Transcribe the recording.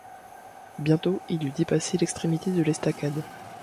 Bientôt il eut dépassé l’extrémité de l’estacade.